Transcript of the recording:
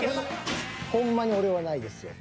ほんまに俺はないですよ。